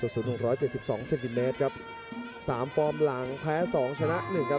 ส่วนมุมแดงครับสามฟอร์มหลังแพ้สองชนะหนึ่งครับ